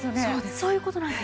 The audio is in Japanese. そういう事なんです。